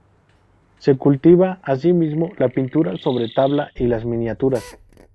Se cultiva, asimismo, la pintura sobre tabla y las miniaturas.